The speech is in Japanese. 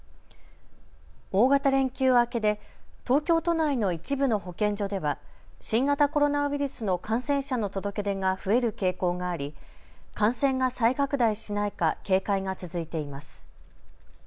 大型連休明けで東京都内の一部の保健所では新型コロナウイルスの感染者の届け出が増える傾向があり感染が再拡大しないか警戒が続いています。